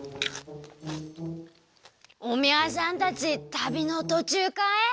おみゃさんたちたびのとちゅうかえ？